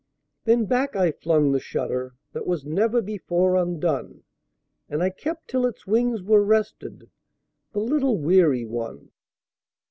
Then back I flung the shutterThat was never before undone, And I kept till its wings were restedThe little weary one.